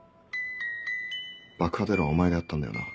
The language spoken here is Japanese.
爆破テロはお前がやったんだよな？